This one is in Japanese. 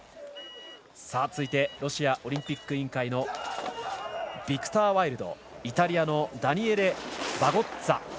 続いてロシアオリンピック委員会ビクター・ワイルドとイタリアのダニエレ・バゴッツァ。